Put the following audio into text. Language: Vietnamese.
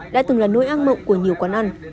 đã từng là nỗi ác mộng của nhiều quán ăn